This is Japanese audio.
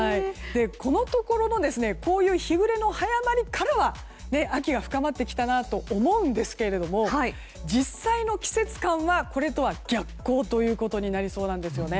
このところのこういう日暮れの早まりからは秋が深まってきたなと思うんですが実際の季節感は、これとは逆行ということになりそうです。